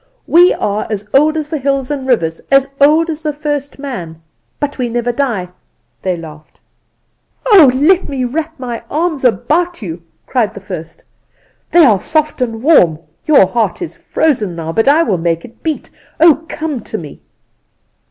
We are as old as the hills and rivers, as old as the first man; but we never die,' they laughed. "'Oh, let me wrap my arms about you!; cried the first; 'they are soft and warm. Your heart is frozen now, but I will make it beat. Oh, come to me!